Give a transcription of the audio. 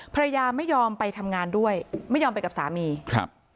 ภรรยาไม่ยอมไปทำงานด้วยไม่ยอมไปกับสามีครับ